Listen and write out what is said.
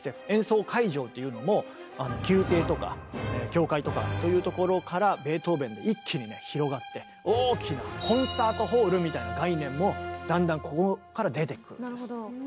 演奏会場っていうのも宮廷とか教会とかというところからベートーベンで一気にね広がって大きなコンサートホールみたいな概念もだんだんここから出てくるんです。